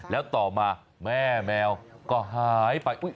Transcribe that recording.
แล้วต่อมาแม่แมวก็หายไป